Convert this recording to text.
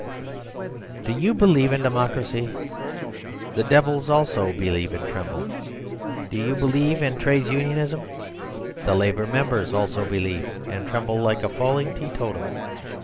Do you believe in Democracy? The devils also believe and tremble. Do you believe in Trades Unionism? The Labour Members also believe; and tremble like a falling teetotum.